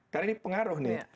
karena ini pengaruh nih